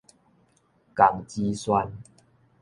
江芷萱